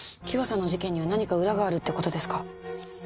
喜和さんの事件には何か裏があるってことですか。